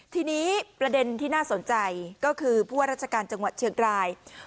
ทีนี้ประเด็นที่น่าสนใจก็คือผู้ว่าราชการจังหวัดเชียงราย